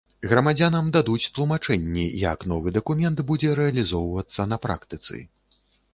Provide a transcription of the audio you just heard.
Грамадзянам дадуць тлумачэнні, як новы дакумент будзе рэалізоўвацца на практыцы.